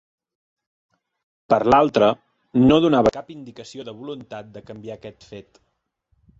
Per l'altra, no donava cap indicació de voluntat de canviar aquest fet.